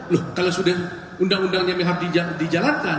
loh kalau sudah undang undangnya harus dijalankan